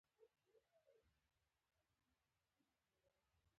غوړې د عضلاتو پیاوړتیا لپاره ګټورې دي.